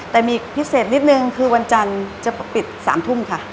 แต่มีพิเศษนิดนึงคือวันจันทร์จะปิด๓ทุ่มค่ะ